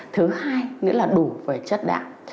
thứ hai nữa là đủ về chất đạm